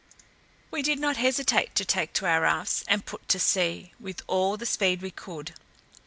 We did not hesitate to take to our rafts, and put to sea with all the speed we could.